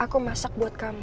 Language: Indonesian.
aku masak buat kamu